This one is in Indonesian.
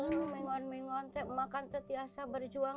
ia menggigil menggigil makannya selalu berjuang